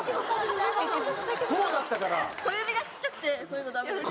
小指がちっちゃくてそういうのダメなんです。